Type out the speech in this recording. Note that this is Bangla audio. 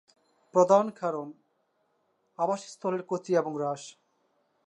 প্রধান কারণ, আবাসস্থলের ক্ষতি বা হ্রাস।